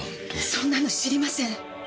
そんなの知りません。